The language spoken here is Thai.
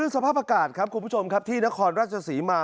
สภาพอากาศครับคุณผู้ชมครับที่นครราชศรีมา